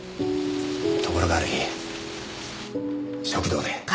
ところがある日食堂で。